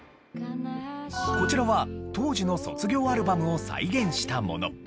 こちらは当時の卒業アルバムを再現したもの。